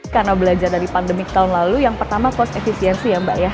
karena belajar dari pandemi tahun lalu yang pertama cost efficiency ya mbak ya